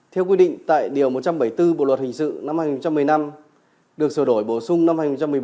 theo quy định tại điều một trăm bảy mươi bốn bộ luật hình sự năm hai nghìn một mươi năm được sửa đổi bổ sung năm hai nghìn một mươi bảy